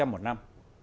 một mươi một năm